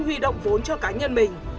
huy động vốn cho cá nhân mình